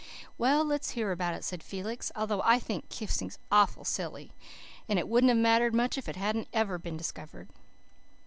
"Well, let's hear about it," said Felix, "although I think kissing's awful silly, and it wouldn't have mattered much if it hadn't ever been discovered."